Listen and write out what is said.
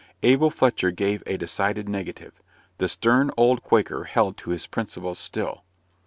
Abel Fletcher gave a decided negative. The stern old Quaker held to his principles still.